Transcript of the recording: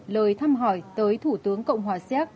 lời thăm hỏi tới thủ tướng cộng hòa siếc